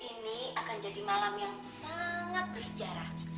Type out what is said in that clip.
ini akan jadi malam yang sangat bersejarah